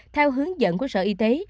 theo hướng dẫn của sở y tế